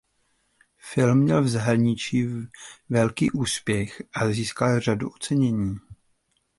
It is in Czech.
Film měl v zahraničí velký úspěch a získal řadu ocenění.